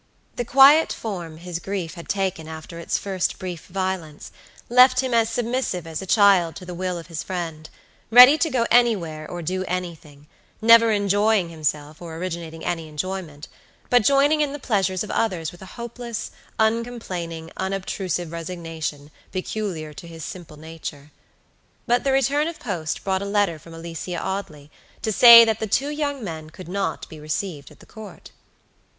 The quiet form his grief had taken after its first brief violence, left him as submissive as a child to the will of his friend; ready to go anywhere or do anything; never enjoying himself, or originating any enjoyment, but joining in the pleasures of others with a hopeless, uncomplaining, unobtrusive resignation peculiar to his simple nature. But the return of post brought a letter from Alicia Audley, to say that the two young men could not be received at the Court.